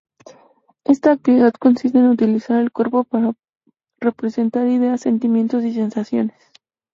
Esta actividad consiste en utilizar el cuerpo para representar ideas, sentimientos y sensaciones.